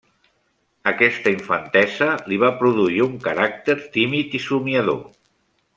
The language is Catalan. Aquesta infantesa li va produir un caràcter tímid i somiador.